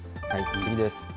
次です。